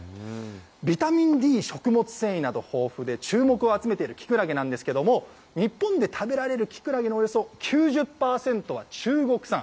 ビタミンＤ、食物繊維など豊富で、注目を集めているきくらげなんですけれども、日本で食べられるきくらげのおよそ９０％は中国産。